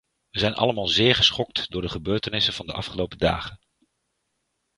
Wij zijn allemaal zeer geschokt door de gebeurtenissen van de afgelopen dagen.